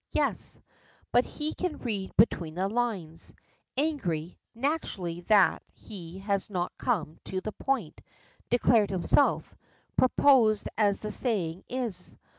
Yes. But he can read between the lines; angry naturally that he has not come to the point declared himself proposed as the saying is.